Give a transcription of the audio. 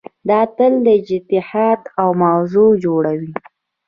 دا تل د اجتهاد موضوع جوړوي.